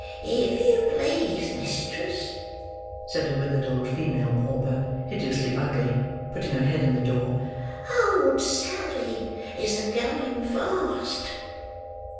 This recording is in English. "If you please, mistress," said a withered old female pauper, hideously ugly: putting her head in at the door, "Old Sally is a going fast."